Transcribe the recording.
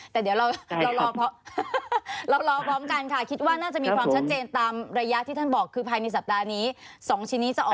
แต่เดี๋ยวเรารอเรารอพร้อมกันค่ะคิดว่าน่าจะมีความชัดเจนตามระยะที่ท่านบอกคือภายในสัปดาห์นี้๒ชิ้นนี้จะออก